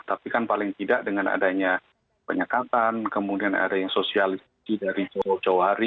tapi kan paling tidak dengan adanya penyekatan kemudian ada yang sosialisasi dari jauh jauh hari